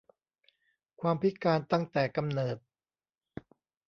ความพิการตั้งแต่กำเนิด